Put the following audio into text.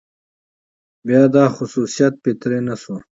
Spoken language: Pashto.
بيا دا خصوصيت فطري نه شو،